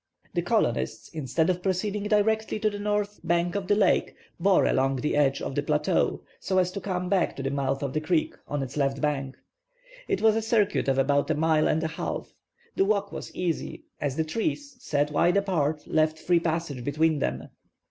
The colonists, instead of proceeding directly to the north bank of the lake, bore along the edge of the plateau, so as to come back to the mouth of the creek, on its left bank. It was a circuit of about a mile and a half. The walk was easy, as the trees, set wide apart, left free passage between them.